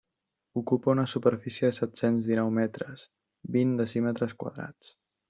Ocupa una superfície de set-cents dinou metres, vint decímetres quadrats.